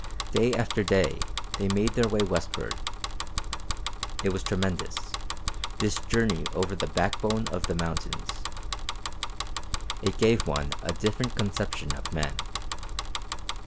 Day after day they made their way westward. It was tremendous, this journey over the backbone of the mountains. It gave one a different conception of men.